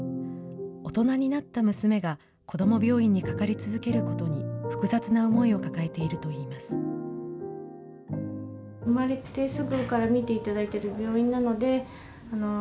大人になった娘がこども病院にかかり続けることに複雑な思いを抱えているといいます。